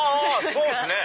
そうっすね！